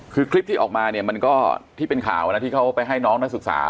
คือคลิปที่ออกมาเนี่ยมันก็ที่เป็นข่าวนะที่เขาไปให้น้องนักศึกษา